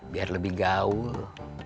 biar lebih gaul